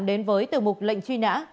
đến với tư mục lệnh truy nã